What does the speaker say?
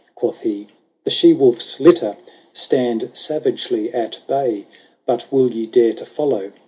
Quoth he, " The she wolf's litter Stand savagely at bay : But will ye dare to follow.